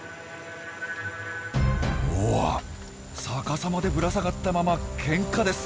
うわっ逆さまでぶら下がったままケンカです！